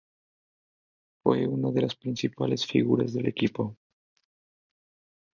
Fue una de las principales figuras del equipo.